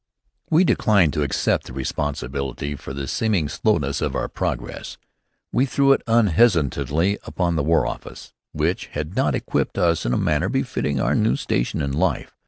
We declined to accept the responsibility for the seeming slowness of our progress. We threw it unhesitatingly upon the War Office, which had not equipped us in a manner befitting our new station in life.